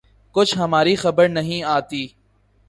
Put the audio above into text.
کچھ ہماری خبر نہیں آتی